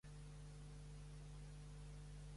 El meu pare es diu Xavier Cuerda: ce, u, e, erra, de, a.